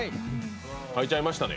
書いちゃいましたね。